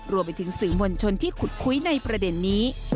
รวมไปถึงสื่อมวลชนที่ขุดคุยในประเด็นนี้